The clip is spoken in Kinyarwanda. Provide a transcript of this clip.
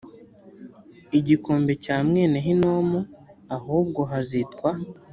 igikombe cya mwene hinomu ahubwo hazitwa